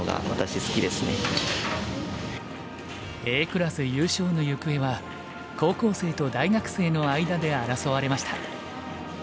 Ａクラス優勝の行方は高校生と大学生の間で争われました。